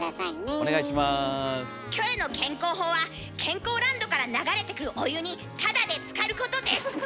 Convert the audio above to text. キョエの健康法は健康ランドから流れてくるお湯にタダでつかることです！